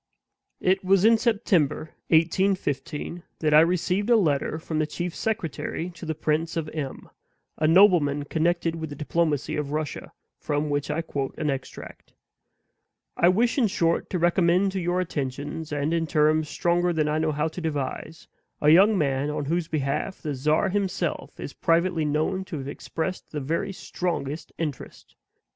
It was in September, 1815, that I received a letter from the chief secretary to the Prince of M , a nobleman connected with the diplomacy of Russia, from which I quote an extract: "I wish, in short, to recommend to your attentions, and in terms stronger than I know how to devise, a young man on whose behalf the czar himself is privately known to have expressed the very strongest interest.